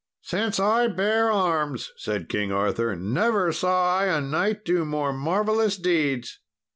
"Since I bare arms," said King Arthur, "never saw I a knight do more marvellous deeds."